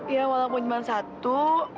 ya walaupun cuma satu